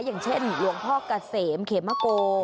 อย่างเช่นหลวงพ่อกะเสมเขมโก